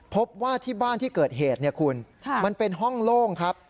พบว่าที่บ้านที่เกิดเหตุเนี่ยคุณมันเป็นห้องโล่งครับ